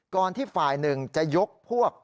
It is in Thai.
ที่ฝ่ายหนึ่งจะยกพวก